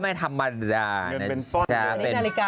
ไม่ธรรมดานะจะเป็น